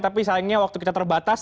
tapi sayangnya waktu kita terbatas